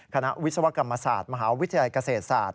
คณะวิศวกรรมศาสตร์มหาวิทยาลัยเกษตรศาสตร์